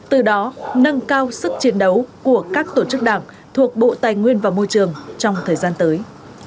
từ đó nâng cao sức chiến đấu của các tổ chức đảng thuộc bộ tài nguyên và môi trường trong thời gian tới